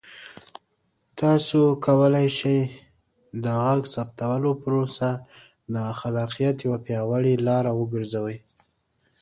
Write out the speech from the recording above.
تاسو کولی شئ د غږ ثبتولو پروسه د خلاقیت یوه پیاوړې لاره وګرځوئ.